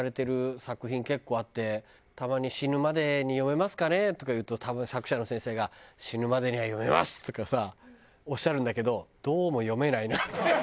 たまに「死ぬまでに読めますかね？」とか言うと作者の先生が「死ぬまでには読めます！」とかさおっしゃるんだけどどうも読めないなって。